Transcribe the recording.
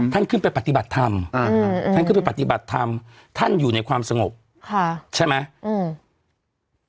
ท่านขึ้นไปปฏิบัติธรรมอ่าท่านขึ้นไปปฏิบัติธรรมท่านอยู่ในความสงบค่ะใช่ไหมอืม